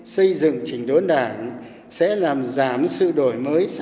xây dựng trình đốn đảng sẽ làm giảm sự đổi mới